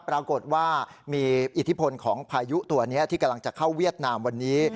ปรากฏว่ามีอิทธิพลของพายุตัวนี้ที่กำลังจะเข้าเวียดนามวันนี้